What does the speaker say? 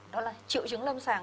đó là triệu chứng lâm sàng